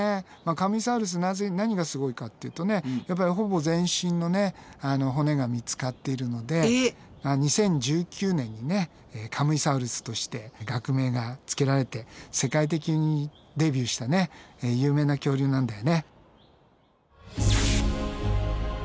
カムイサウルス何がすごいかっていうとねほぼ全身の骨が見つかってるので２０１９年にねカムイサウルスとして学名がつけられて世界的にデビューした有名な恐竜なんだよね。